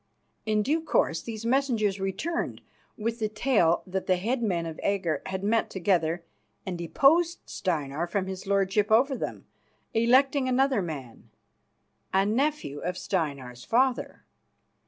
In due course these messengers returned with the tale that the head men of Agger had met together and deposed Steinar from his lordship over them, electing another man, a nephew of Steinar's father.